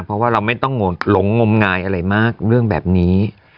เพราะว่าเราไม่ต้องหลงงมงายอะไรมากเรื่องแบบนี้